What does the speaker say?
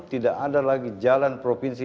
tidak ada lagi jalan provinsi